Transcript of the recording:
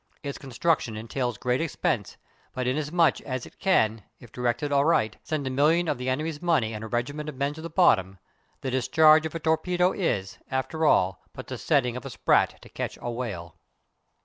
Its construction entails great expense, but inasmuch as it can, if directed aright, send a million of the enemy's money and a regiment of men to the bottom, the discharge of a torpedo is, after all, but the setting of a sprat to catch a whale.